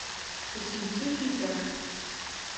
Өсөнсө киҫәк